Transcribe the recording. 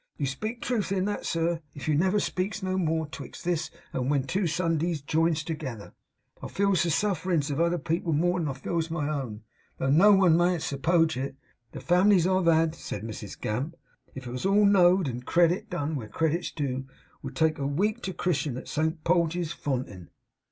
'You speak truth in that, sir, if you never speaks no more 'twixt this and when two Sundays jines together. I feels the sufferins of other people more than I feels my own, though no one mayn't suppoge it. The families I've had,' said Mrs Gamp, 'if all was knowd and credit done where credit's doo, would take a week to chris'en at Saint Polge's fontin!